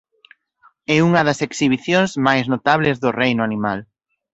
É unha das exhibicións máis notables do reino animal.